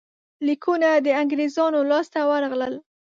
لیکونه د انګرېزانو لاسته ورغلل.